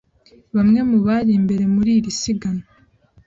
Bamwe mu bari imbere muri iri siganwa